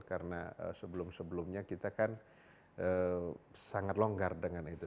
karena sebelum sebelumnya kita kan sangat longgar dengan itu